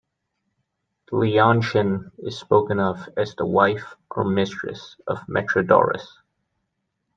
Leontion is spoken of as the wife or mistress of Metrodorus.